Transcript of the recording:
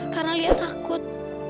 karena liat takut